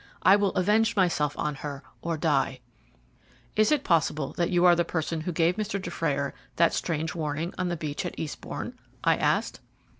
I will avenge myself on her or die." "Is it possible that you are the person who gave Mr. Dufrayer that strange warning on the beach at Eastbourne?" I asked.